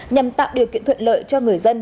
nhằm tạo điều kiện thuận lợi cho người dân